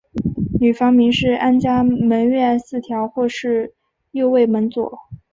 女房名是安嘉门院四条或是右卫门佐。